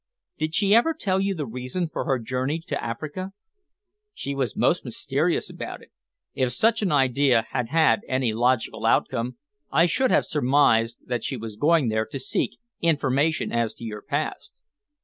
"Did she ever tell you the reason for her journey to Africa?" "She was most mysterious about it. If such an idea had had any logical outcome, I should have surmised that she was going there to seek information as to your past."